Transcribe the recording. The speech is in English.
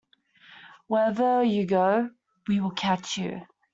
Wherever you go we will catch you.